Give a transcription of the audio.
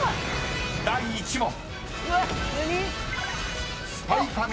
［第１問］